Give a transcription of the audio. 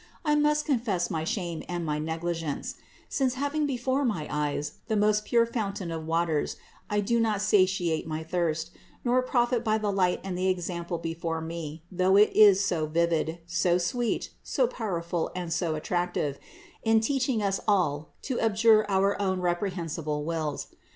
I must confess my shame and my negligence ; since having before my eyes the most pure fountain of waters, I do not satiate my thirst, nor profit by the light and the example before me, though it is so vivid, so sweet, so powerful and so attractive in teaching us all to abjure our own reprehensible wills.